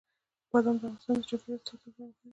بادام د افغانستان د چاپیریال ساتنې لپاره مهم دي.